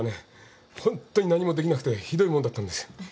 ホントに何もできなくてひどいもんだったんですなっ。